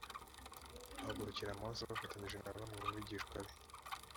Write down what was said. bahagurukira mose bafatanije na bamwe mu bigishwa be